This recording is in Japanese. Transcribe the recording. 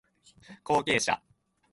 後継者